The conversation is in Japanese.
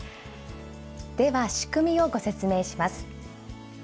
では仕組みをご説明します。